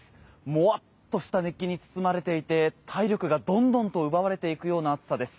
もわっとした熱気に包まれていて体力がどんどんと奪われていくような暑さです。